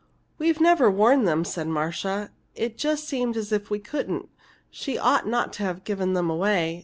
"We've never worn them," said Marcia. "It just seemed as if we couldn't she ought not to have given them away.